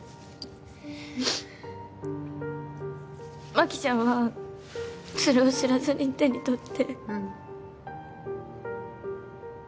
真紀ちゃんはそれを知らずに手にとって。